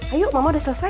ayo mams udah selesai